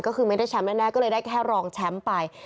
ก็คือไม่ได้แชมป์แน่ก็เลยได้แค่รองแชมป์ไป